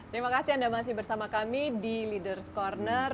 terima kasih anda masih bersama kami di leaders' corner